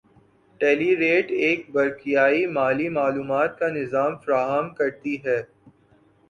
ٹیلیریٹ ایک برقیائی مالی معلومات کا نظام فراہم کرتی ہے